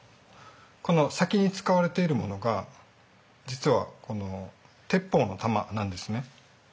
この先に使われているものが実は鉄砲の弾なんですね。